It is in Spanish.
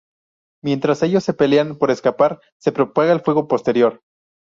Mientras ellos se pelean por escapar, se propaga el fuego posterior.